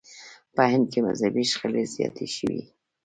په هند کې مذهبي شخړې زیاتې شوې.